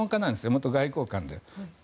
元外交官です。